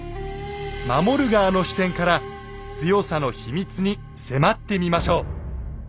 守る側の視点から強さの秘密に迫ってみましょう。